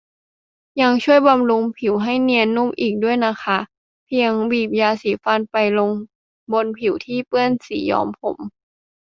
ยังช่วยบำรุงผิวให้เนียนนุ่มอีกด้วยนะคะ เพียงบีบยาสีฟันลงไปบนผิวที่เปื้อนสีย้อมผม